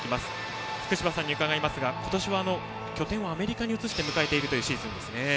福島さんに伺いますが今年は、拠点をアメリカに移して迎えているシーズンですね。